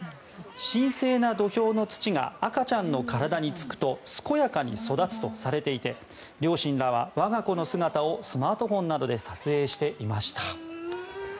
神聖な土俵の土が赤ちゃんの体につくと健やかに育つとされていて両親らは我が子の姿をスマートフォンなどで撮影していました。